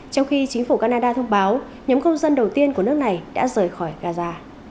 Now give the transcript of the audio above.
trong khi chính phủ canada thông báo nhóm công dân đầu tiên của nước này đã rời khỏi gaza